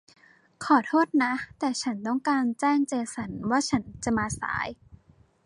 ขอโทษนะ แต่ฉันต้องการแจ้งเจสันว่าฉันจะมาสาย